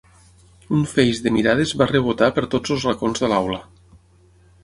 Un feix de mirades va rebotar per tots els racons de l'aula.